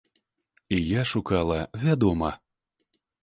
І я шукала, вядома.